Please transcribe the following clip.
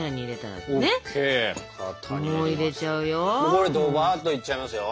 これどばっといっちゃいますよ。